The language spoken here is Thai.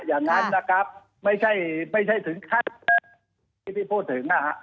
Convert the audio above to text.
อย่างนั้นนะครับไม่ใช่ไม่ใช่ถึงขั้นที่พี่พูดถึงนะฮะ